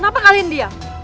kenapa kalian diam